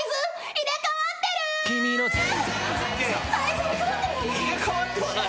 入れ替わってはない。